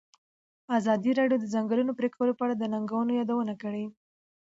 ازادي راډیو د د ځنګلونو پرېکول په اړه د ننګونو یادونه کړې.